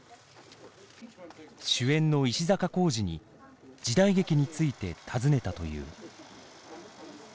主演の石坂浩二に時代劇について尋ねたという。